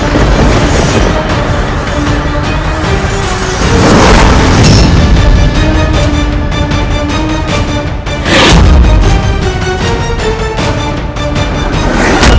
kau tidak bisa menangkapku